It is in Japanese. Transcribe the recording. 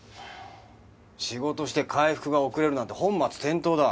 仕事して回復が遅れるなんて本末転倒だ。